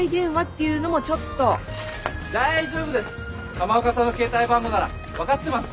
浜岡さんの携帯番号なら分かってます。